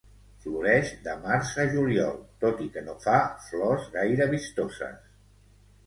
Floreix de març a juliol, tot i que no fa flors gaire vistoses.